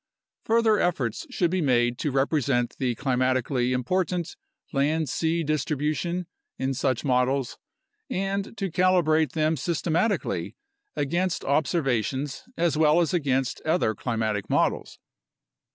Further efforts should be made to represent the climatically important land sea distri bution in such models and to calibrate them systematically against observations as well as against other climatic models.